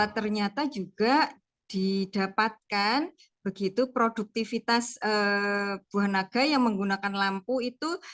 ternyata juga didapatkan begitu produktivitas buah naga yang menggunakan lampu itu